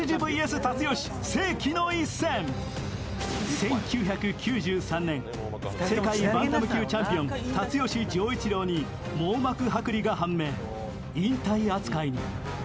１９９３年、世界バンタム級チャンピオン・辰吉丈一郎に網膜剥離が判明、引退扱いに。